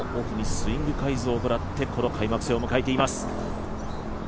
スイング改造を行ってこの開幕戦を迎えています。